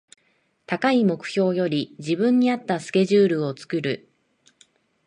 高い目標より自分に合ったスケジュールを作る